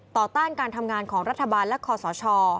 ต้านการทำงานของรัฐบาลและคอสช